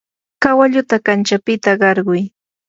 kawalluta kanchapita qarquy.